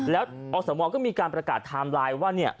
แล้วอสมก็มีการประกาศไทม์ไลน์ว่า